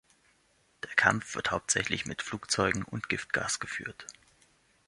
Der Kampf wird hauptsächlich mit Flugzeugen und Giftgas geführt.